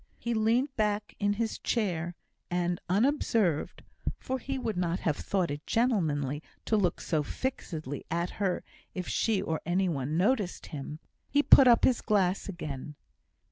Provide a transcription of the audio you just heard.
He leant back in his chair, and, unobserved (for he would not have thought it gentlemanly to look so fixedly at her if she or any one noticed him), he put up his glass again.